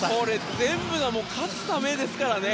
全部が勝つためですからね。